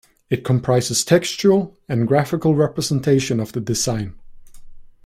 It comprises textual and graphical representations of the design.